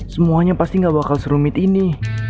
semuanya pasti gak bakal serumit ini